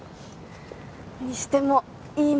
にしてもいい